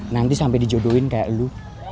nanti sampai dijodohin kayak lu